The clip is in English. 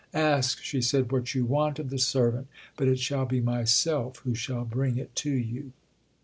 "Ask," she said, "what you want of the servant, but it shall be myself who shall bring it to you."